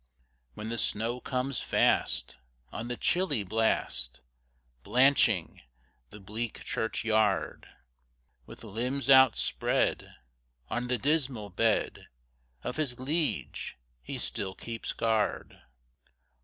When the snow comes fast On the chilly blast, Blanching the bleak church yard, With limbs outspread On the dismal bed Of his liege, he still keeps guard.